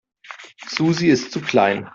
Susi ist zu klein.